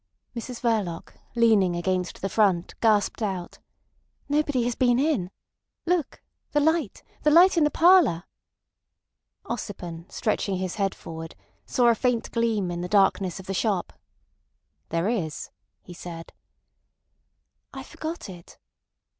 Mrs Verloc, leaning against the front, gasped out: "Nobody has been in. Look! The light—the light in the parlour." Ossipon, stretching his head forward, saw a faint gleam in the darkness of the shop. "There is," he said. "I forgot it."